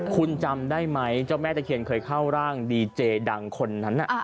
คุณจำได้ไหมเจ้าแม่ตะเคียนเคยเข้าร่างดีเจดังคนนั้น